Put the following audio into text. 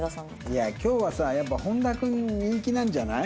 いや今日はさやっぱ本田君人気なんじゃない？